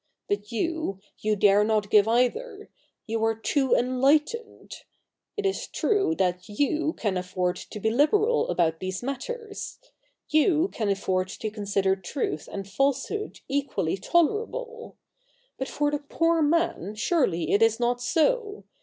But you — you dare not give either ; you are too enlightened. It is true thsLtyou can afford to be liberal about these matters; you can afford to consider truth and falsehood equally tolerable. But for the poor man surely it is not so.